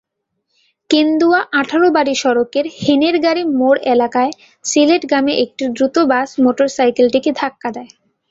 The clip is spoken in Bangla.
কেন্দুয়া-আঠারোবাড়ি সড়কের হেনেরগাতি মোড় এলাকায় সিলেটগামী একটি দ্রুতগামী বাস মোটরসাইকেলটিকে ধাক্কা দেয়।